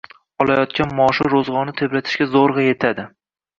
Olayotgan maoshi roʻzgʻorni tebratishga zoʻrgʻa yetadi.